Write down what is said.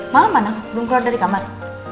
malam mana belum keluar dari kamar